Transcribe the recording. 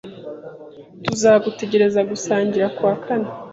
Tuzagutegereza gusangira kuwa kane.